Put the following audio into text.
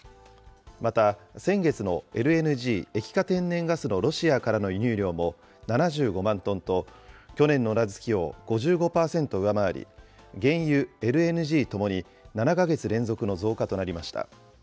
また、先月のＬＮＧ・液化天然ガスのロシアからの輸入量も７５万トンと、去年の同じ月を５５％上回り、原油、ＬＮＧともに７か月連続の増加となりました。